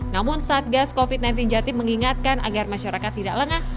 namun satgas covid sembilan belas jatim mengingatkan agar masyarakat tidak lengah